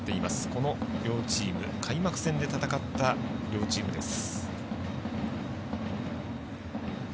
この両チーム開幕戦で戦った両チームです。